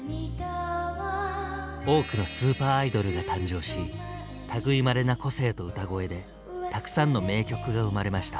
多くのスーパーアイドルが誕生し類いまれな個性と歌声でたくさんの名曲が生まれました。